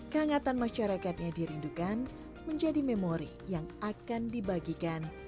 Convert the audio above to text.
kehangatan masyarakatnya dirindukan menjadi memori yang akan dibagikan